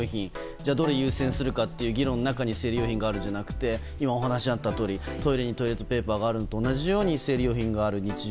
じゃあどれを優先すべきかという議論の中に生理用品があるのではなく今お話にあったようにトイレにトイレットペーパーがあったように生理用品がある日常